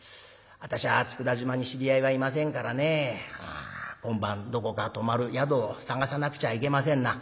私は佃島に知り合いはいませんからね今晩どこか泊まる宿を探さなくちゃいけませんな」。